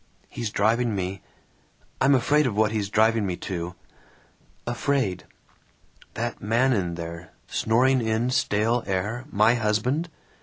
He's driving me I'm afraid of what he's driving me to. Afraid. "That man in there, snoring in stale air, my husband?